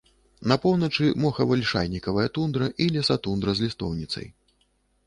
На поўначы мохава-лішайнікавая тундра і лесатундра з лістоўніцай.